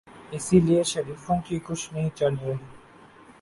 اسی لیے شریفوں کی کچھ نہیں چل رہی۔